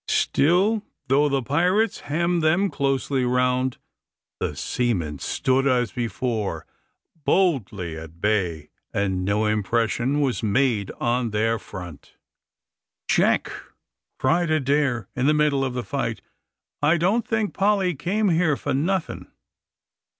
Still, though the pirates hemmed them closely round, the seamen stood as before, boldly at bay, and no impression was made on their front. "Jack," cried Adair, in the middle of the fight, "I don't think Polly came here for nothing.